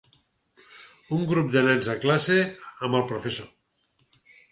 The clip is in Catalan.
Un grup de nens a classe amb el professor.